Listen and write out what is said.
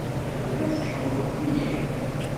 Telliḍ tḥemmleḍ-iyi?